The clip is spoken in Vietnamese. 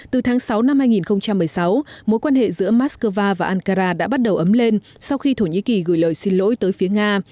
từ tháng sáu năm hai nghìn một mươi sáu mối quan hệ giữa moscow và ankara đã bắt đầu ấm lên sau khi thổ nhĩ kỳ gửi lời xin lỗi tới phía nga